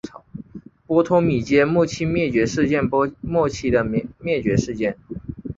波托米阶末期灭绝事件末期的灭绝事件。